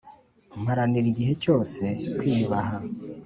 mparanira igihe cyose kwiyubaha